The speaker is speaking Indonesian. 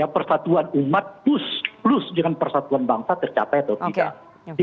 persatuan umat plus dengan persatuan bangsa tercapai atau tidak